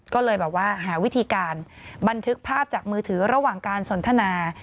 ก็เลยแบบว่าหาวิธีการบันทึกภาพจากมือถือระหว่างการสนทนา